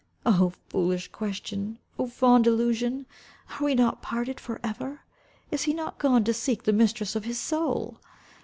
Oh, foolish question! Oh, fond illusion! Are we not parted for ever! Is he not gone to seek the mistress of his soul!